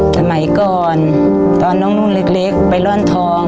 สมัยก่อนตอนน้องนุ่นเล็กไปร่อนทอง